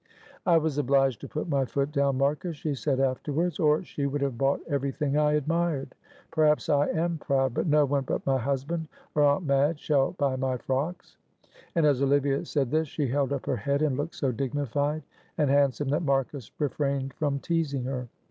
"I was obliged to put my foot down, Marcus," she said afterwards, "or she would have bought everything I admired. Perhaps I am proud, but no one but my husband or Aunt Madge shall buy my frocks." And as Olivia said this she held up her head, and looked so dignified and handsome that Marcus refrained from teasing her.